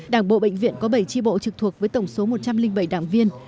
đảng bộ bệnh viện có bảy tri bộ trực thuộc với tổng số một trăm linh bảy đảng viên